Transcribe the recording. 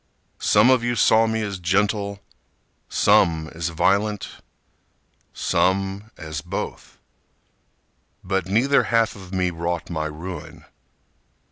Some of you saw me as gentle, Some as violent, Some as both. But neither half of me wrought my ruin.